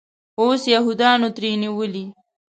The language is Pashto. اوس یهودانو ترې نیولی.